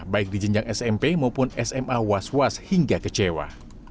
baik di jenjang smp maupun sma was was hingga kecewa